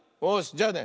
じゃあね